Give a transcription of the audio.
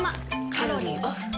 カロリーオフ。